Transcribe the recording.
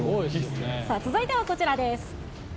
続いてはこちらです。